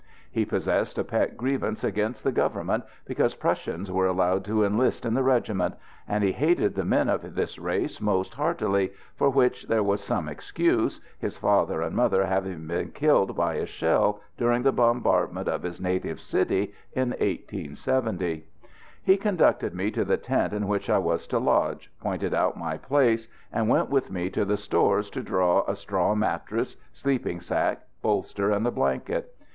He possessed a pet grievance against the Government because Prussians were allowed to enlist in the regiment; and he hated the men of this race most heartily, for which there was some excuse, his father and mother having been killed by a shell during the bombardment of his native city in 1870. He conducted me to the tent in which I was to lodge, pointed out my place, and went with me to the stores to draw a straw mattress, sleeping sack, bolster and a blanket.